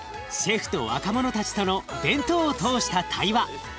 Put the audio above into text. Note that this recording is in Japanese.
シェフと若者たちとの弁当を通した対話。